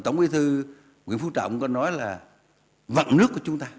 mà tổng quý thư nguyễn phú trọng có nói là vặn nước của chúng ta